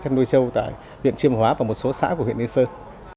chân nuôi châu tại huyện chiêm hóa và một số xã của huyện nê sơn